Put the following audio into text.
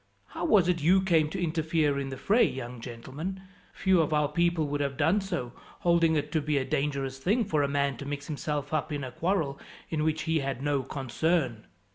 "How was it you came to interfere in the fray, young gentleman? Few of our people would have done so, holding it to be a dangerous thing, for a man to mix himself up in a quarrel in which he had no concern."